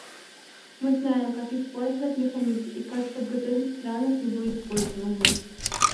Мы знаем, как использовать механизм и как подготовить страны к его использованию.